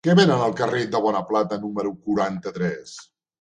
Què venen al carrer de Bonaplata número quaranta-tres?